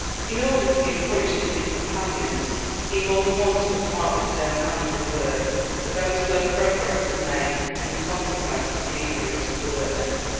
In order to give courage to his companions, he more than once took part with his own hands in the work; but very slow progress was made, in consequence of the ignorance of the workmen.